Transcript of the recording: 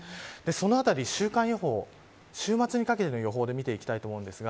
そのあたり週間予報週末にかけての予報で見ていきます。